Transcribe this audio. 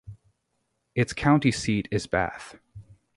Its county seat is Bath.